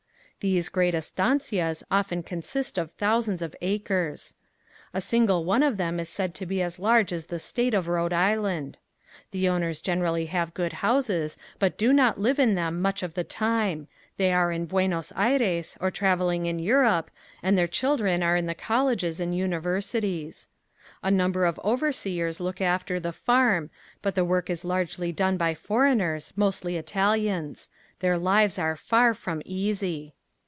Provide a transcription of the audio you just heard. These great estancias often consist of thousands of acres. A single one of them is said to be as large as the state of Rhode Island. The owners generally have good houses but do not live in them much of the time. They are in Buenos Aires, or traveling in Europe, and their children are in the colleges and universities. A number of overseers look after the farm but the work is largely done by foreigners, mostly Italians. Their lives are far from easy.